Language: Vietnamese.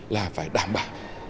là phải đảm bảo